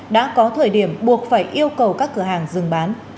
đã có thời điểm buộc phải yêu cầu các cửa hàng dừng bán